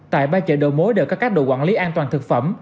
tại ba chợ đồ mối đều có các độ quản lý an toàn thực phẩm